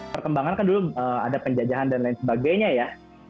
perkembangan kan dulu ada penjajahan dan lain sebagainya ya